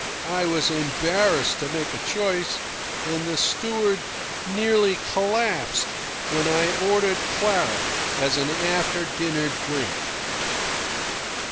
I was embarrassed to make a choice, and the steward nearly collapsed when I ordered claret as an after dinner drink.